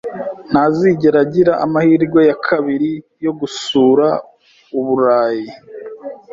Ntazigera agira amahirwe ya kabiri yo gusura Uburayi